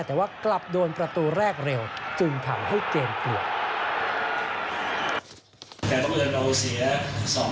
แต่ว่ากลับโดนประตูแรกเร็วจึงทำให้เกมปวด